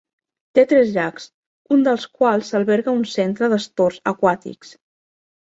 Té tres llacs, un dels quals alberga un centre d'esports aquàtics.